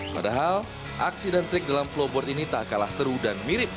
padahal aksi dan trik dalam flowboard ini tak kalah seru dan mirip